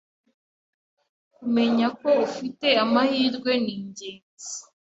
Kumenya ko ufite amahirwe ni ingenzi